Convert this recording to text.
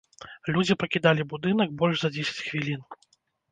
Людзі пакідалі будынак больш за дзесяць хвілін.